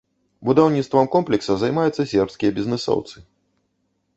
Будаўніцтвам комплекса займаюцца сербскія бізнэсоўцы.